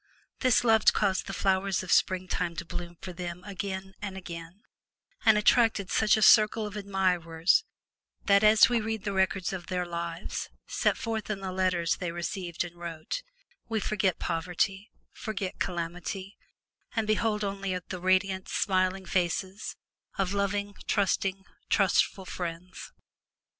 This love caused the flowers of springtime to bloom for them again and again, and attracted such a circle of admirers that, as we read the records of their lives, set forth in the letters they received and wrote, we forget poverty, forget calamity, and behold only the radiant, smiling faces of loving, trusting, trustful friends.